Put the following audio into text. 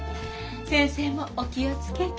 先生もお気を付けて！